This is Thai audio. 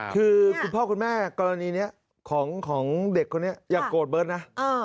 คือคุณพ่อคุณแม่กรณีนี้ของเด็กคนนี้อย่าโกรธเบิร์ตนะ